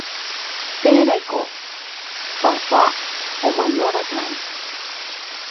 térãiko papa omanoraka'e